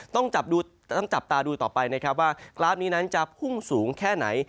ต้องจับตาดูต่อไปนะครับว่ากราฟนี้นั้นจะพุ่งสูงแค่ไหน